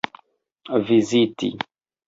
viziti